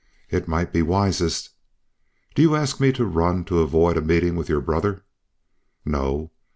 "It might be wisest." "Do you ask me to run to avoid a meeting with your brother?" "No."